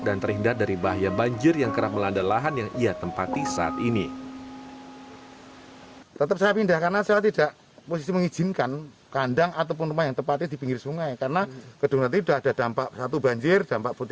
kondisi keluarga ngadiono yang memperhatinkan ini mendapat perhatian dari kepala duku setempat